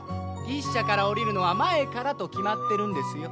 牛車から降りるのは前からと決まってるんですよ。